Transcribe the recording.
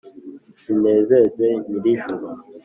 zinezeze nyirijuru.